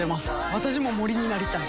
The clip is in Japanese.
私も森になりたい。